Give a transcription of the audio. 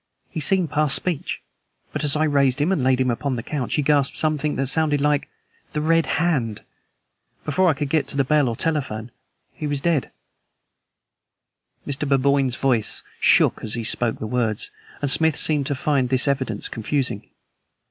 He seemed past speech, but as I raised him and laid him upon the couch, he gasped something that sounded like 'The red hand!' Before I could get to bell or telephone he was dead!" Mr. Burboyne's voice shook as he spoke the words, and Smith seemed to find this evidence confusing.